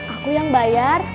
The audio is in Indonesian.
aku yang bayar